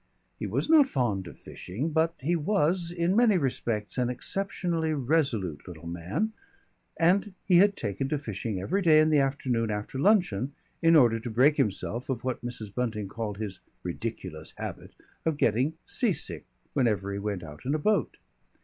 He was not fond of fishing, but he was in many respects an exceptionally resolute little man, and he had taken to fishing every day in the afternoon after luncheon in order to break himself of what Mrs. Bunting called his "ridiculous habit" of getting sea sick whenever he went out in a boat.